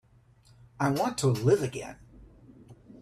I want to live again.